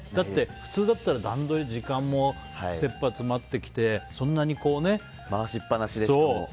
普通だったら段取り、時間も切羽詰まってきて回しっぱなしで、しかも。